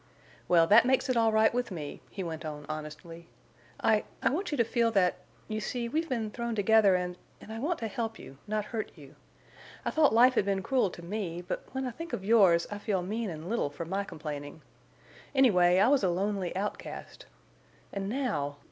"Well, that makes it all right with me," he went on, honestly. "I—I want you to feel that... you see—we've been thrown together—and—and I want to help you—not hurt you. I thought life had been cruel to me, but when I think of yours I feel mean and little for my complaining. Anyway, I was a lonely outcast. And now!...